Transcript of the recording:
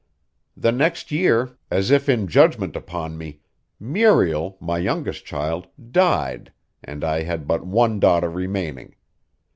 The next year, as if in judgment upon me, Muriel, my youngest child, died and I had but one daughter remaining.